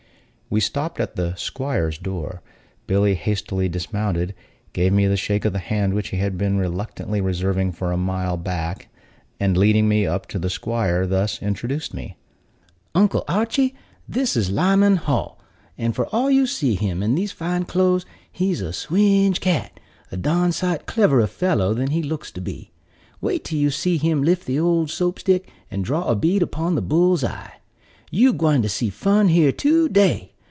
We stopped at the 'squire's door. Billy hastily dismounted, gave me the shake of the hand which he had been reluctantly reserving for a mile back, and, leading me up to the 'squire, thus introduced me: "Uncle Archy, this is Lyman Hall; and for all you see him in these fine clothes, he's a swinge cat; a darn sight cleverer fellow than he looks to be. Wait till you see him lift the old Soap stick, and draw a bead upon the bull's eye. You gwine to see fun here to day.